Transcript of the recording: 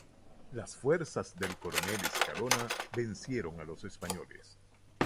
Las fuerzas del coronel Escalona vencieron a los españoles.